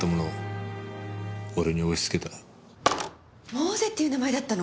モーゼっていう名前だったの？